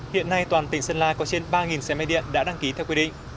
hiện nay toàn tỉnh sơn la có trên ba xe máy điện đã đăng ký theo quy định